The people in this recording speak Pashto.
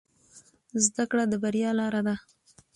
زده کړه د بریا لاره ده